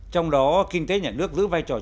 trong đó kinh tế nhà nước giữ vai trò